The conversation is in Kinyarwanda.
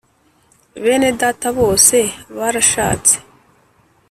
Benedata bose barashatse.